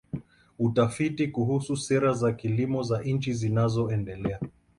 Utafiti kuhusu sera za kilimo za nchi zinazoendelea.